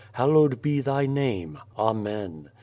Hallowed be Thy Name. Amen.'